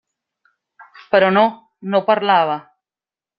Però no; no parlava.